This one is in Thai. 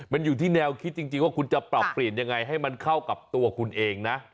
มันอยู่ที่แนวคิดจริงว่าคุณจะปรับเปลี่ยนยังไงให้มันเข้ากับตัวคุณเองนะ